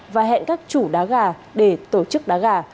và hẹn các chủ đá gà để tổ chức đá gà